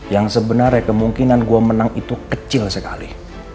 yang sebenarnya kemungkinan gua menang itu kecil sekali